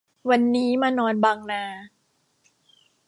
วันนี้มานอนบางนา